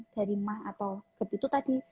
dari emah atau kebet itu tadi